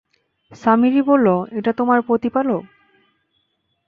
সামিরী বলল, এটা তোমাদের প্রতিপালক।